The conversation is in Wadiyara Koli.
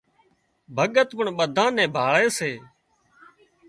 ڀڳت پڻ ٻڌانئين نين ڀاۯي سي